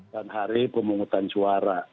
dan hari pemungutan suara